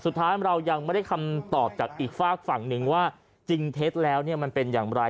สุดท้ายเรายังไม่ได้คำตอบจากอีกฝากฝั่งหนึ่งว่าจริงเท็จแล้วเนี่ยมันเป็นอย่างไร